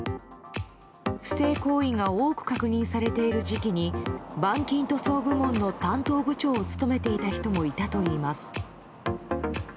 不正行為が多く確認されている時期に板金塗装部門の担当部長を務めていた人もいたといいます。